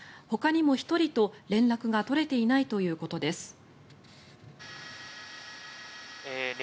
ほかにも１人と連絡が取れていないということです。